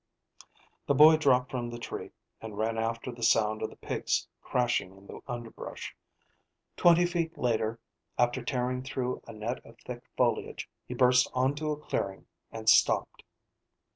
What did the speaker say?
The boy dropped from the tree and ran after the sound of the pig's crashing in the underbrush. Twenty feet later after tearing through a net of thick foliage, he burst onto a clearing and stopped.